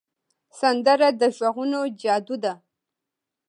سندره د غږونو جادو ده